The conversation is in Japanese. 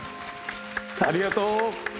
ありがとう。